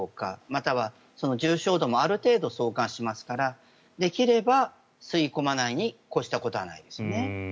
または重症度もある程度相関しますからできれば吸い込まないに越したことはないですね。